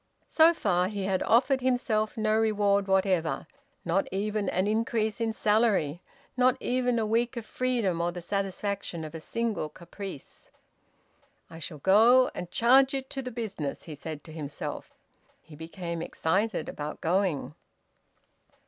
So far he had offered himself no reward whatever, not even an increase of salary, not even a week of freedom or the satisfaction of a single caprice. "I shall go, and charge it to the business," he said to himself. He became excited about going.